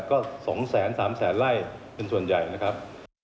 ก็๒๓แสนไล่เป็นส่วนใหญ่นะครับ